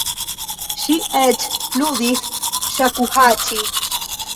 Ŝi eĉ ludis ŝakuhaĉi.